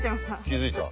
気づいた。